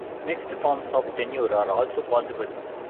Mixed forms of tenure are also possible.